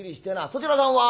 そちらさんは？